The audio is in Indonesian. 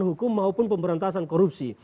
hukum maupun pemberantasan korupsi